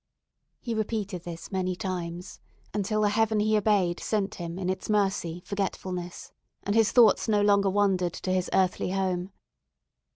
He repeated this many times, until the Heaven he obeyed sent him in its mercy forgetfulness, and his thoughts no longer wandered to his earthly home.